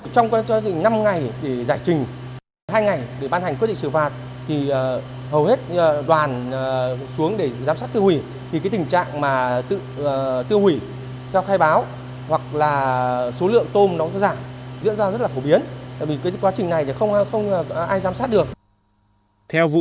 trong năm ngày để giải trình hai ngày để ban hành quy định xử phạt thì hầu hết đoàn xuống để giám sát